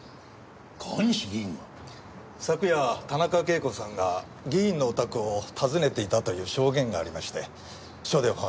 昨夜田中啓子さんが議員のお宅を訪ねていたという証言がありまして署でお話を。